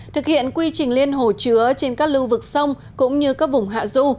thực hiện quy trình liên hồ chứa trên các lưu vực sông cũng như các vùng hạ du